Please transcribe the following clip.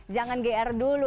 jangan gr dulu